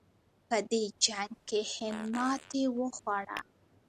په دې جنګ کې هند ماتې وخوړه.